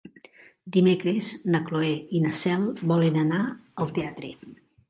Dimecres na Cloè i na Cel volen anar al teatre.